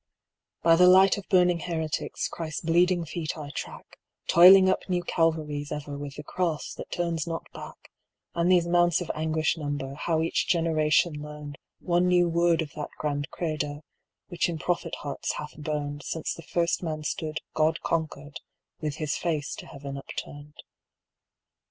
By the light of burning heretics Christ's bleeding feet I track, Toiling up new Calvaries ever with the cross that turns not back, And these mounts of anguish number how each generation learned One new word of that grand Credo which in prophet hearts hath burned Since the first man stood God conquered with his face to heaven upturned.